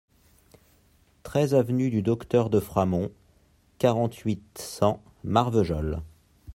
treize avenue du Docteur de Framond, quarante-huit, cent, Marvejols